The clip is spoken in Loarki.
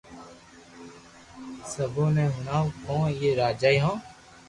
سبي ني ھڻاوُ ڪو اپي راجي ھون